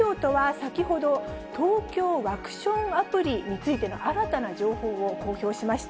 先ほど、ＴＯＫＹＯワクションアプリについての新たな情報を公表しました。